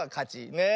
ねえ。